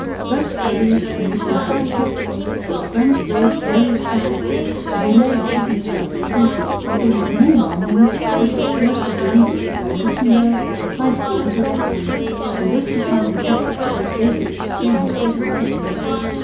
But, though these conditions were accepted, the French raised various pretexts to delay the signature of the treaty, hoping that meanwhile Mons, which was closely beleaguered by Luxemburg, might fall into their hands, and thus become an asset which they could exchange for some other possession.